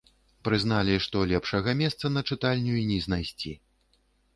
Прызналі, што лепшага месца на чытальню й не знайсці.